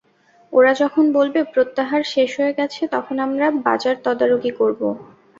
ওরা যখন বলবে, প্রত্যাহার শেষ হয়ে গেছে, তখন আমরা বাজার তদারকি করব।